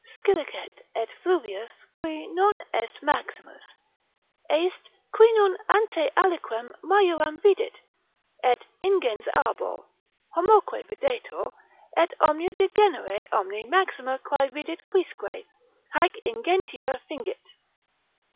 "Scilicet et fluvius qui non est maximus, ei'st Qui non ante aliquem majorem vidit; et ingens Arbor, homoque videtur, et omnia de genere omni Maxima quae vidit quisque, haec ingentia fingit."